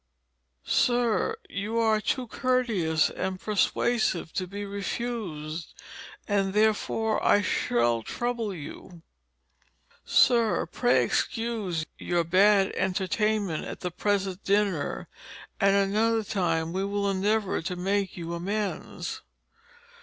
"Sir, you are too courteous and persuasive to be refused and therefore I shall trouble you. "Sir, pray excuse your bad entertainment at the present dinner and another time we will endeavour to make you amends.